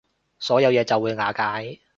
所有嘢就會瓦解